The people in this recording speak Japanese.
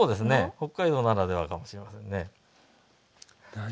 北海道ならではかもしれませんね。